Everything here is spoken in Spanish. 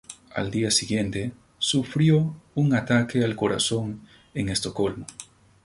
Al día siguiente, sufrió un ataque al corazón en Estocolmo.